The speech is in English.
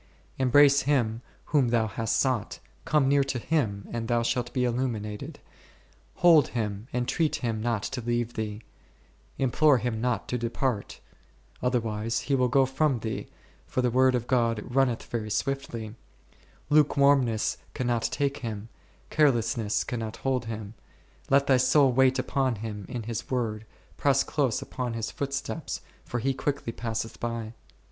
Embrace Him whom thou hast sought ; come near to Him and thou shalt be illumi nated ; hold Him, entreat Him not to leave thee, im plore Him not to depart ; otherwise He will go from thee, for the Word of God runneth very swiftly; lukewarmness cannot take Him, carelessness cannot hold Him. Let thy soul wait upon Him in His Word, press close upon His footsteps, for He quicklv passeth by.